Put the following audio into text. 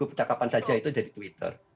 percakapan saja itu dari twitter